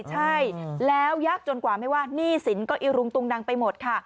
ใช่แล้วยักษ์จนกว่าไม่ว่าหนี้สินก็อิรุงตุงนังไปหมดค่ะ